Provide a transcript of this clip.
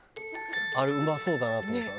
あれうまそうだなと思った。